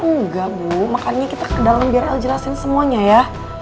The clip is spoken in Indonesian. enggak bu makanya kita ke dalam biar l jelasin semuanya ya